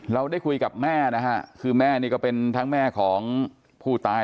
เราได้คุยกับแม่นะฮะคือแม่นี่ก็เป็นทั้งแม่ของผู้ตาย